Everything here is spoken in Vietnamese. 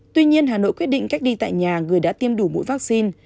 tuy nhiên hà nội quyết định cách ly tại nhà người đã tiêm đủ mũi vaccine